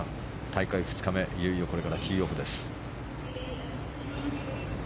大会２日目、いよいよこれからティーオフです。